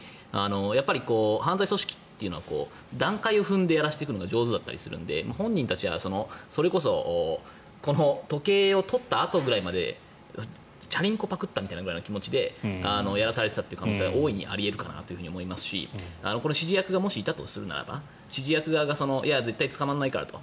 やっぱり犯罪組織は段階を踏んでやらせるのが上手だったりするので本人はそれこそ時計を取ったあとくらいまでチャリンコをパクったくらいの気持ちでやらされていた可能性は大いにあり得るかなと思いますし指示役がもしいたとするならば指示役側が絶対に捕まらないからと。